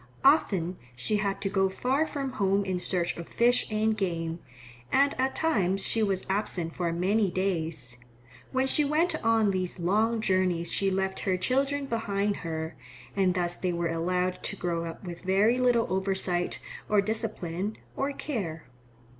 Often she had to go far from home in search of fish and game, and at times she was absent for many days. When she went on these long journeys she left her children behind her, and thus they were allowed to grow up with very little oversight or discipline or care.